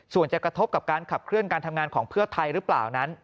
ส่วนจะกระทบกับการขับเคลื่อนการทำงานของเพื่อไทยหรือเปล่านั้น